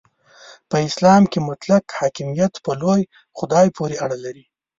په اسلام کې مطلق حاکمیت په لوی خدای پورې اړه لري.